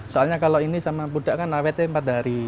soalnya kalau ini sama pudak kan awetnya empat hari